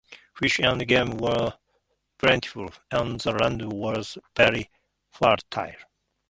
Fish and game were plentiful, and the land was very fertile.